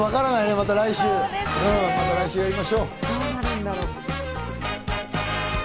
また来週やりましょう。